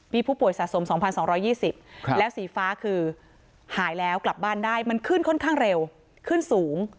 มีผู้ป่วยสะสม๒๒๒๐แล้วสีฟ้าคือหายแล้วกลับบ้านได้มันขึ้นค่อนข้างเร็วขึ้นสูง